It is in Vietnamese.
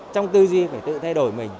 trong tư duy phải tự thay đổi mình